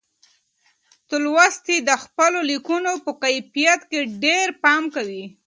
تولستوی د خپلو لیکنو په کیفیت کې ډېر پام کاوه.